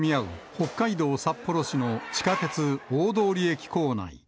北海道札幌市の地下鉄大通駅構内。